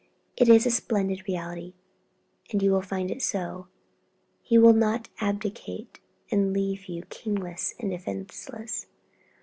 It is a splendid reality, and you will find it so. He will not abdicate and leave you kingless and defenceless.